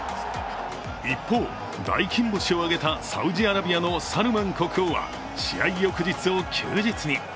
一方、大金星を挙げたサウジアラビアのサルマン国王は試合翌日を休日に。